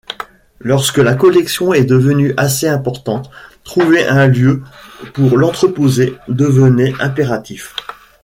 Lorsque la collection est devenue assez importante, trouver un lieu pour l’entreposer devenait impératif.